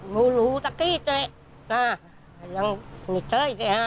กูรู้ตะกี้เจ๊ตะยังไม่ใช่แค่ฮะ